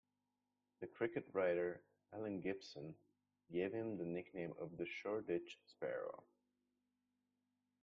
The cricket writer, Alan Gibson, gave him the nickname of the "Shoreditch sparrow".